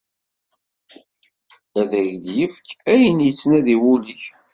Ad ak-d-ifk ayen yettnadi wul-ik.